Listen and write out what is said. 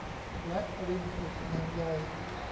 และริมกุดนางใย